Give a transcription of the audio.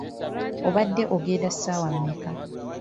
Obadde ogenda ssaawa mmeka?